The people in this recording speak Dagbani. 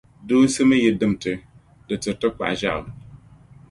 duunsi mi yi dim ti, di tiri ti kpaɣu ʒiɛɣu.